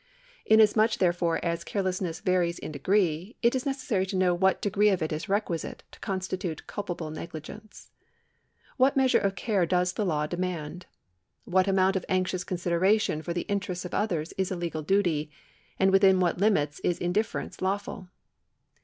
Inasmuch, therefore, as carelessness varies in degree, it is necessary to know what degree of it is requisite to constitute cid})able negligence. What measure of care does the law demand ? What amount of anxious consideration for the interests of others is a legal duty, and within what limits is indifference lawful